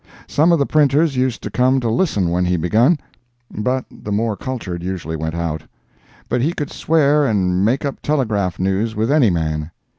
Some of the printers used to come to listen when he begun, but the more cultured usually went out—but he could swear and make up telegraph news with any man.